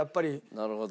なるほど。